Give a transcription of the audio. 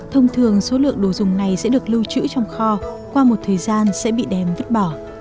thông thường số lượng đồ dùng này sẽ được lưu trữ trong kho qua một thời gian sẽ bị đem vứt bỏ